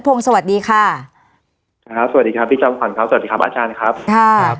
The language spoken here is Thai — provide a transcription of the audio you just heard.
วันนี้แม่ช่วยเงินมากกว่า